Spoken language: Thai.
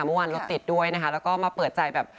เมื่อวานรถติดด้วยนะคะแล้วก็มาเปิดใจแบบ